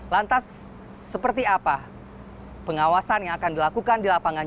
lantas seperti apa pengawasan yang akan dilakukan di lapangan